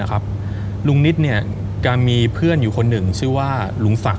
การมีเพื่อนอยู่คนหนึ่งชื่อว่าลุงสัก